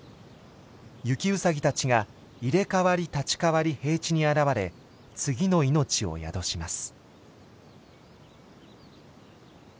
ユキウサギたちが入れ代わり立ち代わり平地に現れ次の命を宿します。